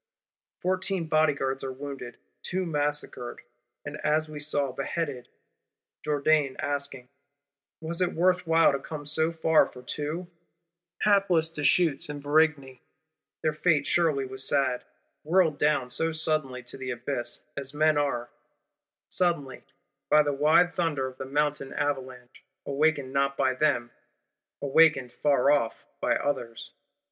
Fourteen Bodyguards are wounded; two massacred, and as we saw, beheaded; Jourdan asking, 'Was it worth while to come so far for two?' Hapless Deshuttes and Varigny! Their fate surely was sad. Whirled down so suddenly to the abyss; as men are, suddenly, by the wide thunder of the Mountain Avalanche, awakened not by them, awakened far off by others!